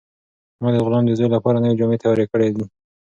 ما د غلام د زوی لپاره نوې جامې تیارې کړې دي.